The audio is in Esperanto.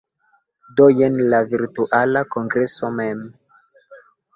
Do jen la Virtuala Kongreso mem.